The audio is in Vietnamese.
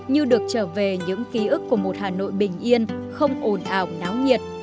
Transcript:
như được trở về những ký ức của một hà nội bình yên không ồn ào náo nhiệt